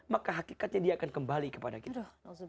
maka hakikatnya dia akan kembali kepada kita